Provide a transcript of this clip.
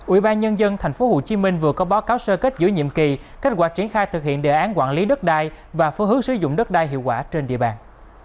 ủy ban nhân dân tp hcm vừa có báo cáo sơ kết giữa nhiệm kỳ kết quả triển khai thực hiện đề án quản lý đất đai và phương hướng sử dụng đất đai hiệu quả trên địa bàn